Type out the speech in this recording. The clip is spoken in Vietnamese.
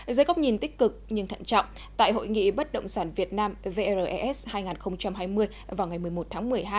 dưới góc nhìn tích cực nhưng thận trọng tại hội nghị bất động sản việt nam vres hai nghìn hai mươi vào ngày một mươi một tháng một mươi hai